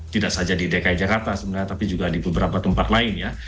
tidak saja di dki jakarta sebenarnya tapi juga di beberapa tempat lain ya